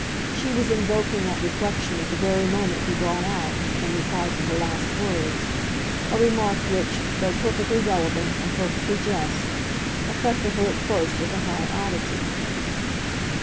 She was invoking that reflection at the very moment he brought out, in reply to her last words, a remark which, though perfectly relevant and perfectly just, affected her at first as a high oddity.